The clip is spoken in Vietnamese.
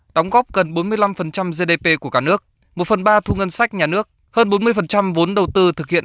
đóng góp gần bốn mươi năm gdp của cả nước một phần ba thu ngân sách nhà nước hơn bốn mươi vốn đầu tư thực hiện